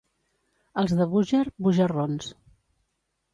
Els de Búger, bugerrons.